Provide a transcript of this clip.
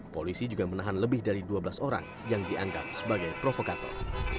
polisi juga menahan lebih dari dua belas orang yang dianggap sebagai provokator